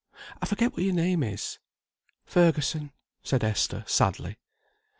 I forget what your name is?" "Fergusson," said Esther, sadly.